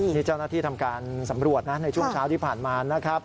นี่เจ้าหน้าที่ทำการสำรวจนะในช่วงเช้าที่ผ่านมานะครับ